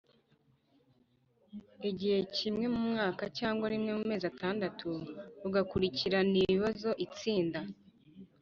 igihe rimwe mu mwaka cg rimwe mu mezi atandatu rugakurikirana ibibazo Itsinda